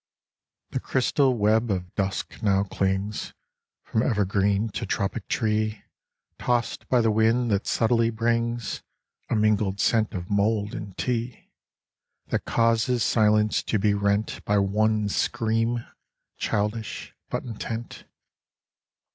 The crystal web of dusk now clings From evergreen to tropic tree, Toss'd by the wind that subtly brings A mingled scent of mould and tea, That causes silence to be rent By one scream — childish, but intent.